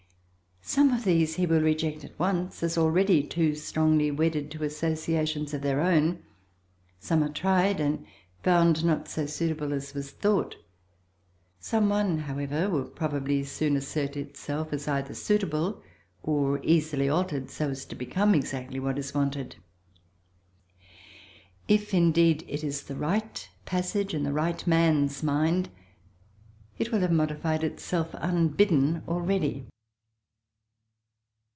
Some of these he will reject at once, as already too strongly wedded to associations of their own; some are tried and found not so suitable as was thought; some one, however, will probably soon assert itself as either suitable, or easily altered so as to become exactly what is wanted; if, indeed, it is the right passage in the right man's mind, it will have modified itself unbidden already.